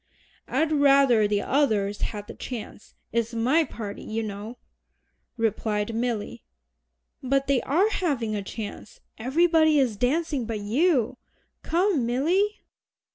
"I'd rather the others had the chance it's my party, you know," replied Milly. "But they are having a chance. Everybody is dancing but you. Come, Milly."